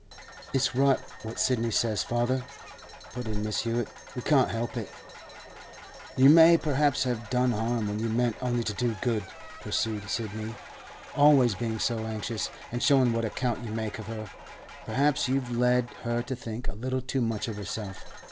'It's right what Sidney says, father,' put in Mrs. Hewett; 'we can't help it.' 'You may perhaps have done harm when you meant only to do good,' pursued Sidney. 'Always being so anxious, and showing what account you make of her, perhaps you've led her to think a little too much of herself.